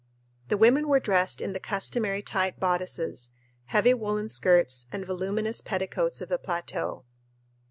The women were dressed in the customary tight bodices, heavy woolen skirts, and voluminous petticoats of the plateau.